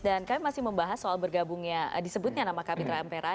dan kami masih membahas soal bergabungnya disebutnya nama kapitra empera